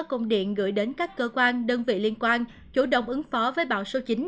công điện gửi đến các cơ quan đơn vị liên quan chủ động ứng phó với bão số chín